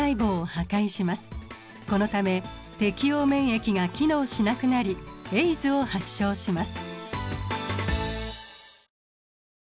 このため適応免疫が機能しなくなりＡＩＤＳを発症します。